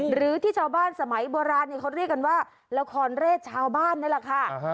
หรือที่ชาวบ้านสมัยโบราณเขาเรียกกันว่าละครเรศชาวบ้านนี่แหละค่ะ